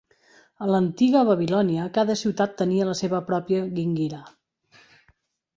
A l'antiga Babilònia, cada ciutat tenia la seva pròpia Gingira.